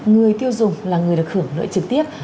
người tiêu dùng là người được hưởng lợi trực tiếp